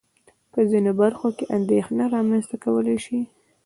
په ځينو برخو کې اندېښنه رامنځته کولای شي.